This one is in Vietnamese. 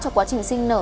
cho quá trình sinh nở